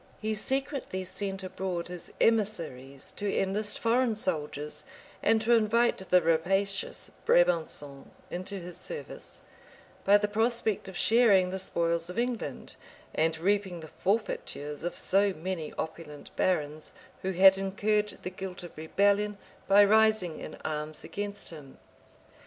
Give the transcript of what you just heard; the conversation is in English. He secretly sent abroad his emissaries to enlist foreign soldiers, and to invite the rapacious Brabançons into his service, by the prospect of sharing the spoils of England, and reaping the forfeitures of so many opulent barons, who had incurred the guilt of rebellion, by rising in arms against him.